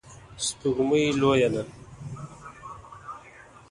سپوږمۍ لویه ده